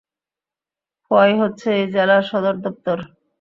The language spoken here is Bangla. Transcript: খোয়াই হচ্ছে এই জেলার সদরদপ্তর।